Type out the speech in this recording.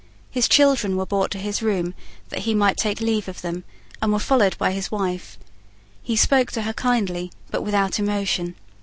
His children were brought to his room that he might take leave of them, and were followed by his wife. He spoke to her kindly, but without emotion.